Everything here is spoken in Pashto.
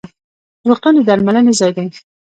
روغتون د درملنې ځای دی